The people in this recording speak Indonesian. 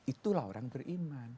itulah orang beriman